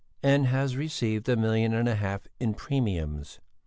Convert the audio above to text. "And has received a million and a half in premiums."